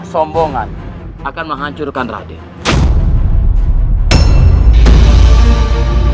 kesombongan akan menghancurkan raden